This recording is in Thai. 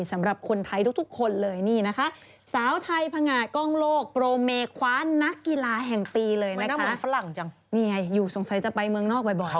จริงนักกอล์ฟมืออันดับ๒ของโลกวัย๒๑ปีของไทยนี่แหละค่ะ